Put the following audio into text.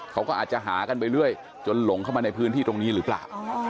เขาก็อาจจะหากันไปเรื่อยจนหลงเข้ามาในพื้นที่ตรงนี้หรือเปล่า